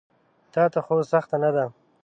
تاته خو سخته نه ده.